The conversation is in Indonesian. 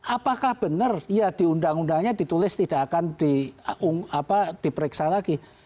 apakah benar ya di undang undangnya ditulis tidak akan diperiksa lagi